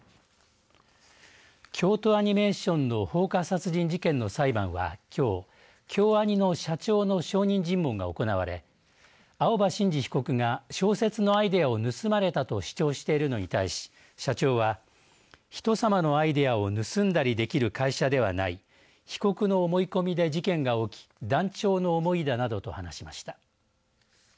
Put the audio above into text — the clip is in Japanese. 京都アニメーションの放火殺人事件の裁判はきょう、京アニの社長の証人尋問が行われ青葉真司被告が小説のアイデアを盗まれたと主張しているのに対し社長は人様のアイデアを盗んだりできる会社ではない被告の思い込みで事件が起き断腸の思いだなどと話しました。